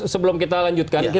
sebelum kita lanjutkan